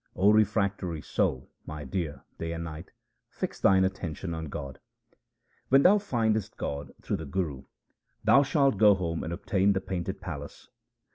O refractory soul, my dear, day and night fix thine attention on God. When thou findest God through the Guru thou shalt go home and obtain the painted palace.